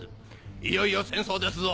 いよいよ戦争ですぞ